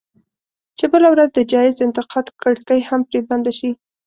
چې بله ورځ د جايز انتقاد کړکۍ هم پرې بنده شي.